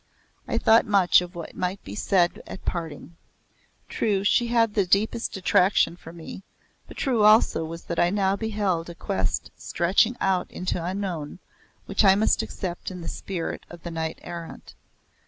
I thought much of what might be said at parting. True, she had the deepest attraction for me, but true also that I now beheld a quest stretching out into the unknown which I must accept in the spirit of the knight errant.